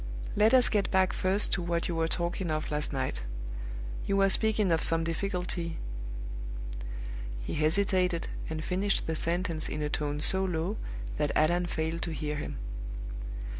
Let us get back first to what you were talking of last night. You were speaking of some difficulty " He hesitated, and finished the sentence in a tone so low that Allan failed to hear him.